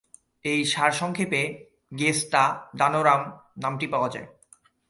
এই সারসংক্ষেপে, "গেস্তা দানোরাম" নামটি পাওয়া যায়।